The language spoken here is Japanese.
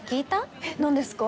えっなんですか？